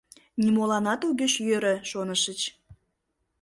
Нимоланат огеш йӧрӧ, шонышыч.